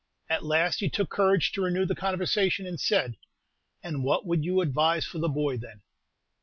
At last he took courage to renew the conversation, and said, "And what would you advise for the boy, then?"